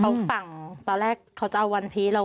เขาสั่งตอนแรกเขาจะเอาวันพีช